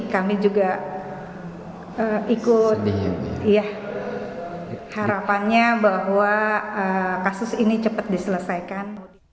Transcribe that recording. kami juga ikut harapannya bahwa kasus ini cepat diselesaikan